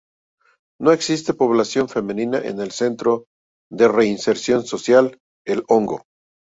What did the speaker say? No existe población femenina en el Centro de Reinserción Social El Hongo.